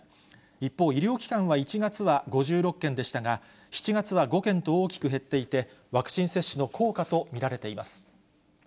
一方、医療機関は１月は５６件でしたが、７月は５件と大きく減っていて、ワクチン接種の効果と見られています。